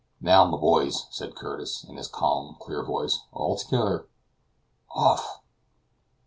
"Now, my boys," said Curtis, in his calm clear voice, "all together! Off!"